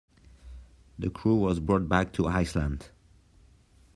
The crew was brought back to Iceland.